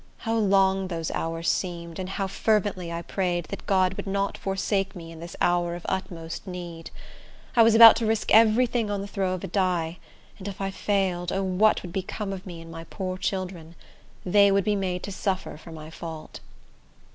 How long those hours seemed, and how fervently I prayed that God would not forsake me in this hour of utmost need! I was about to risk every thing on the throw of a die; and if I failed, O what would become of me and my poor children? They would be made to suffer for my fault.